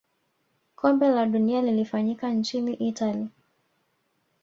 kombe la dunia lilifanyika nchini itali